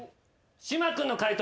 島君の解答